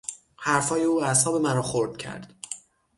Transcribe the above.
حرفهای او اعصاب مرا خرد کرد.